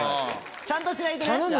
ちゃんとしないとね。